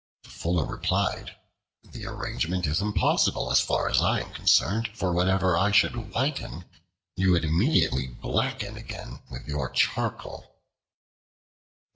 The Fuller replied, "The arrangement is impossible as far as I am concerned, for whatever I should whiten, you would immediately blacken again with your charcoal."